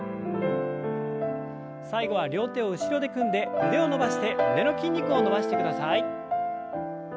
最後は両手を後ろで組んで腕を伸ばして胸の筋肉を伸ばしてください。